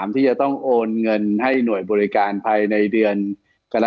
ที่จะต้องโอนเงินให้หน่วยบริการภายในเดือนกรก